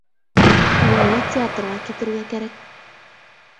Миңә театрға китергә кәрәк